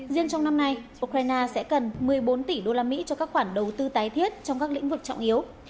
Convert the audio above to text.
riêng trong năm nay ukraine sẽ cần một mươi bốn tỷ đô la mỹ cho các khoản đầu tư tái thiết trong các lĩnh vực trọng yếu